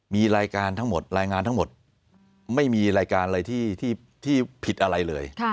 มีรายการทั้งหมดรายงานทั้งหมดไม่มีรายการอะไรที่ผิดอะไรเลย